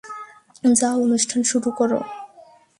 যাও, অনুষ্ঠান শুরু করো।